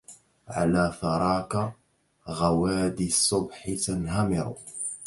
على ثراك غوادي الصبح تنهمر